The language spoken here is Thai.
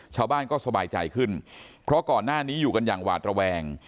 ชาวบ้านก็สบายใจขึ้นเพราะก่อนหน้านี้อยู่กันอย่างหวาดระแวง